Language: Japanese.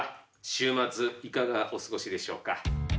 週末いかがお過ごしでしょうか。